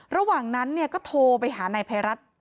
ระหว่างนั้นก็โทรไปหานายภัยรัฐ